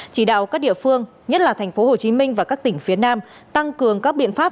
chỉ đạo các địa phương nhất là thành phố hồ chí minh và các tỉnh phía nam tăng cường các biện pháp